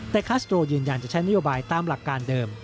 แต่คาสโตรยืนยันจะใช้นโยบายตามหลักการเดิม